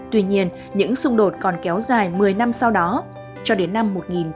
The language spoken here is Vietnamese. tuy nhiên những xung đột còn kéo dài một mươi năm sau đó cho đến năm một nghìn chín trăm bảy mươi